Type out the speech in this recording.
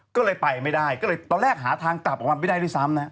ก็เลยไปไม่ได้ก็เลยตอนแรกหาทางกลับออกมาไม่ได้ด้วยซ้ำนะฮะ